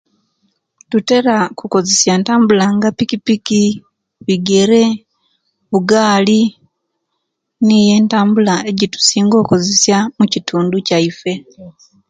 Tutera kukozesa ntambula nga pikipiki biigeere bugaali niiyo ntambula yetusinga kozesa mukitundu kyaife.